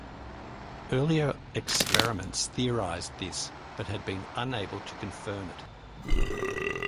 Earlier experiments theorized this but had been unable to confirm it.